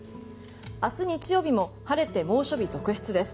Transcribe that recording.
明日日曜日も晴れて猛暑日続出です。